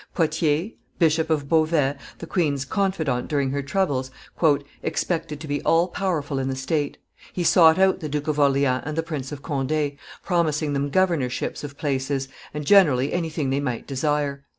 Potier, Bishop of Beauvais, the queen's confidant during her troubles, "expected to be all powerful in the state; he sought out the Duke of Orleans and the Prince of Conde, promising them governorships of places, and, generally, anything they might desire.